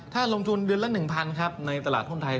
ถ้าลงทุนเดือนละหนึ่งพันครับในตลาดข้นไทย